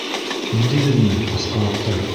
— Килдегеҙме ҡасҡалаҡтар?